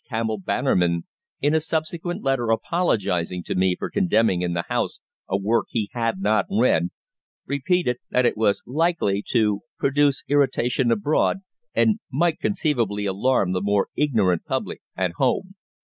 Campbell Bannerman, in a subsequent letter apologising to me for condemning in the House a work he had not read, repeated that it was likely to "produce irritation abroad and might conceivably alarm the more ignorant public at home."